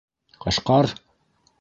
Ҡашҡар!